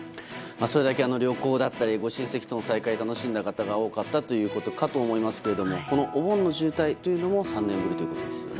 それだけ旅行だったりご親戚との再会を楽しんだ方が多かったということかと思いますがお盆の渋滞というのも３年ぶりということですよね。